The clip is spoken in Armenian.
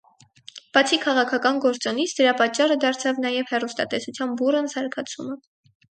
Բացի քաղաքական գործոնից, դրա պատճառը դարձավ նաև հեռուստատեսության բուռն զարգացումը։